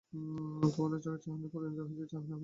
তোমার চোখের চাহনি খুব পরিচিত চাহনি যদিও আমি জানি এইটা সত্য।